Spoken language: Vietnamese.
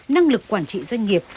năng lực quản trị doanh nghiệp